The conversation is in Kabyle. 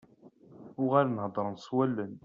Uɣalen heddren s wallen.